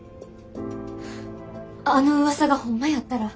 あのうわさがホンマやったら。